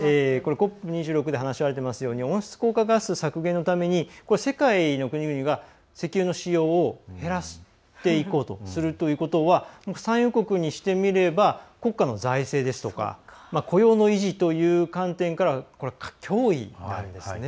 ＣＯＰ２６で話し合われているように温室効果ガス削減のために世界の国々が石油の使用を減らしていこうとするということは産油国にしてみれば国家の財政ですとか雇用の維持という観点から脅威なんですね。